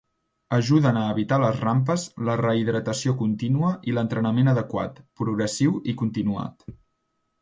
Ajuden a evitar les rampes la rehidratació contínua i l'entrenament adequat, progressiu i continuat.